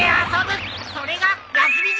それが休み時間！